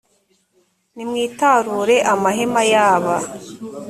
nimwitarure amahema y aba